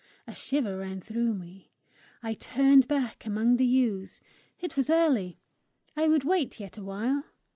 A shiver ran through me; I turned back among the yews. It was early; I would wait yet a while!